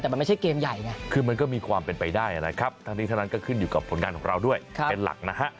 แต่มันไม่ใช่เกมใหญ่ไงคือมันก็มีความเป็นไปได้นะครับทั้งนี้ทั้งนั้นก็ขึ้นอยู่กับผลงานของเราด้วยเป็นหลักนะฮะ